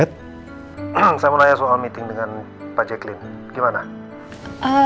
hmm saya mau nanya soal meeting dengan pak jacqueen gimana